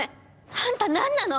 あんた何なの！